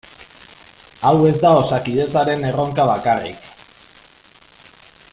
Hau ez da Osakidetzaren erronka bakarrik.